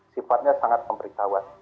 sifatnya sangat pemberitahuan